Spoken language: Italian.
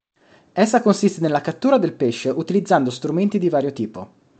Essa consiste nella cattura del pesce utilizzando strumenti di vario tipo.